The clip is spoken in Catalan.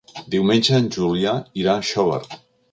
Diumenge en Julià irà a Xóvar.